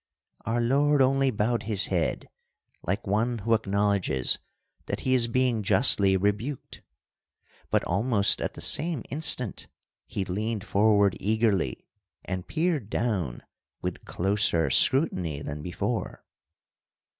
"Our Lord only bowed His head, like one who acknowledges that he is being justly rebuked. But almost at the same instant He leaned forward eagerly and peered down with closer scrutiny than before.